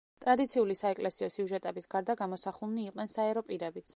ტრადიციული საეკლესიო სიუჟეტების გარდა გამოსახულნი იყვნენ საერო პირებიც.